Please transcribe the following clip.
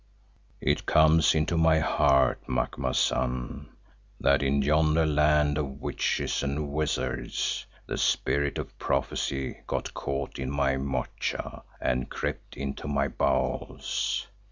"It comes into my heart, Macumazahn, that in yonder land of witches and wizards, the spirit of prophecy got caught in my moocha and crept into my bowels.